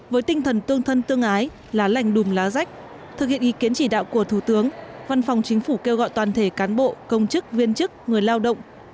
với tinh thần tương thân tương ái lá lành đùm lá rách thực hiện ý kiến chỉ đạo của thủ tướng văn phòng chính phủ kêu gọi toàn thể cán bộ công chức viên chức người lao động